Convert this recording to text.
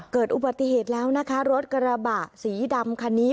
เกิดอุบัติเหตุแล้วนะคะรถกระบะสีดำคันนี้